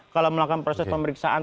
kalau melakukan proses pemeriksaan